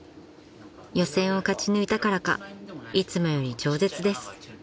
［予選を勝ち抜いたからかいつもより冗舌です］